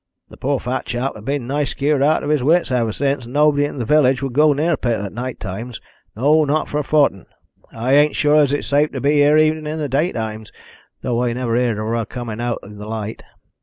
The poor fat chap a' been nigh skeered out o' his wits ever since, and nobody in th' village wud go near th' pit a' nighttimes no, not for a fortin. I ain't sure as it's safe to be here even in daytimes, thow I never heered of her comin' out in the light."